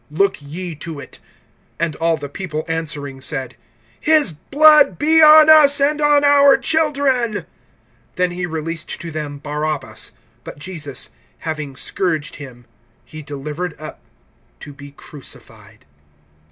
Look ye to it. (25)And all the people answering said: His blood be on us, and on our children. (26)Then he released to them Barabbas; but Jesus, having scourged him, he delivered up to be crucified.